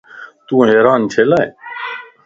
تون حيران ڇيلاٿين؟